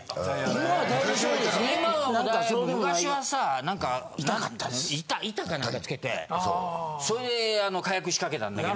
今はだいぶ昔はさなんか板か何かつけてそいで火薬仕掛けたんだけど。